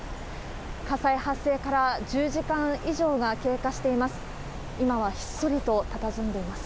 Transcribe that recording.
火災発生から１０時間以上が経過しています。